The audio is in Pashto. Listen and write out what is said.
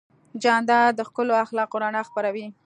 جانداد د ښکلو اخلاقو رڼا خپروي.